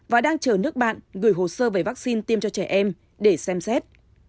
và đang chờ nước bạn gửi hồ sơ về vaccine tiêm cho trẻ em để xem xét